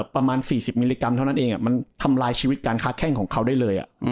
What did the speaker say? ประมาณ๔๐มิลลิกรัมเท่านั้นเองมันทำลายชีวิตการค้าแข้งของเขาได้เลย